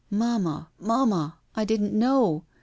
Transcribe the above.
"Mamma, Mamma, I didn't know!